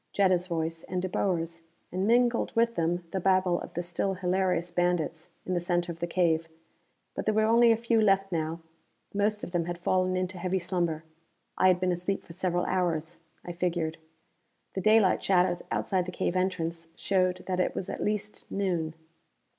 Jetta's voice, and De Boer's, and, mingled with them, the babble of the still hilarious bandits in the center of the cave. But there were only a few left now; most of them had fallen into heavy slumber. I had been asleep for several hours, I figured. The daylight shadows outside the cave entrance showed that it was at least noon.